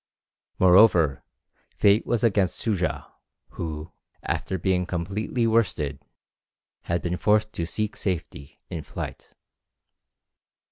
Moreover, fate was against Soojah, who, after being completely worsted, had been forced to seek safety in flight.